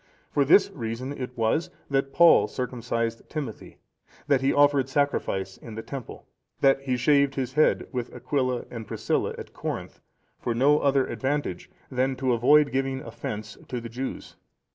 For this reason it was, that Paul circumcised Timothy,(469) that he offered sacrifice in the temple,(470) that he shaved his head with Aquila and Priscilla at Corinth;(471) for no other advantage than to avoid giving offence to the Jews.